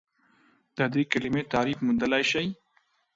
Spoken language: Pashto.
د دې کلمې تعریف موندلی شئ؟